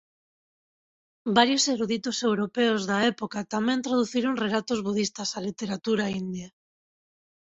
Varios eruditos europeos da época tamén traduciron relatos budistas a literatura india.